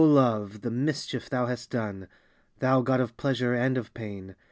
LOVE ! the mischief thou hast done ! Thou god of pleasure and of pain